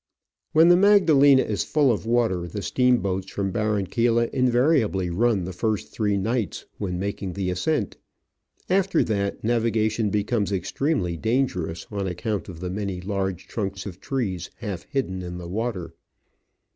When the Magdalena is full of water the steam boats from Barranquilla invariably run the first three nights when making the ascent. After that navigation becomes extremely dangerous, on account of the many large trunks of trees half hidden in the water.